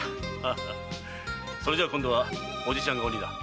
それじゃ今度はおじちゃんが鬼だ。